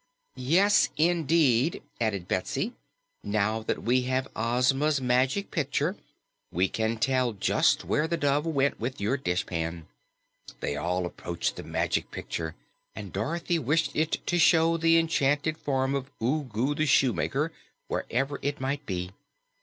"Yes indeed," added Betsy, "now that we have Ozma's Magic Picture, we can tell just where the Dove went with your dishpan. They all approached the Magic Picture, and Dorothy wished it to show the enchanted form of Ugu the Shoemaker, wherever it might be.